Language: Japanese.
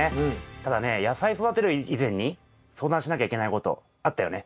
ただね野菜育てる以前に相談しなきゃいけないことあったよね？